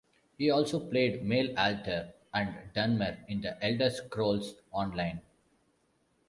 He also played Male Alter and Dunmer in The Elder Scrolls Online.